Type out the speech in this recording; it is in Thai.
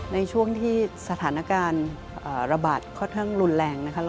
ในช่วงที่สถานการณ์ระบาดค่อนข้างรุนแรงนะคะ